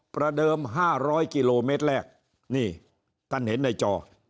ประเดิม๕๐๐กิโลเมตรแรกนี่ท่านเห็นในจอ